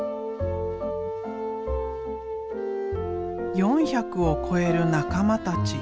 ４００を超える仲間たち。